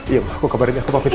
iya mbak aku kabarin aku mau pergi